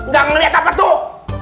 gak ngeliat apa tuh